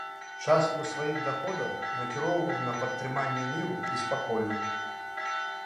Частку сваіх даходаў накіроўваў на падтрыманне міру і спакою.